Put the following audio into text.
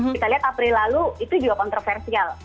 kita lihat april lalu itu juga kontroversial